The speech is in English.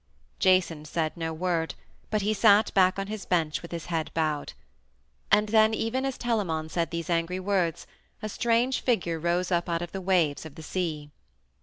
Jason said no word, but he sat back on his bench with head bowed. And then, even as Telamon said these angry words, a strange figure rose up out of the waves of the sea.